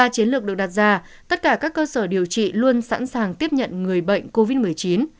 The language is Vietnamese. ba chiến lược được đặt ra tất cả các cơ sở điều trị luôn sẵn sàng tiếp nhận người bệnh covid một mươi chín